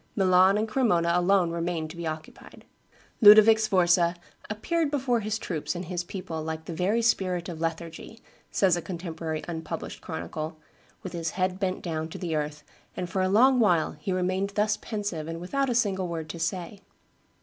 Milan and Cremona alone remained to be occupied. Ludovic Sforza "appeared before his troops and his people like the very spirit of lethargy," says a contemporary unpublished chronicle, "with his head bent down to the earth, and for a long while he remained thus pensive and without a single word to say.